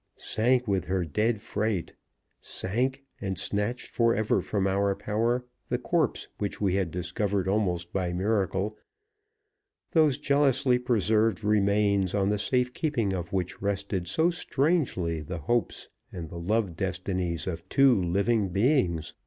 Sank with her dead freight sank, and snatched forever from our power the corpse which we had discovered almost by a miracle those jealously preserved remains, on the safe keeping of which rested so strangely the hopes and the love destinies of two living beings!